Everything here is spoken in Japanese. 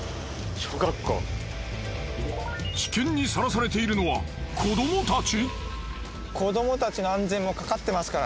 危険にさらされているのは子どもたち！？